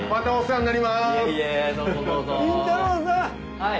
はい。